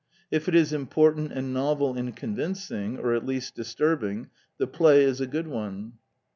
If it is important and novel and con vincing, or at least disturbing, the play is a good one.